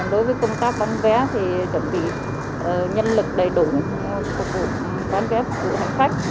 đối với công tác bán vé thì chuẩn bị nhân lực đầy đủ phục vụ đón vé phục vụ hành khách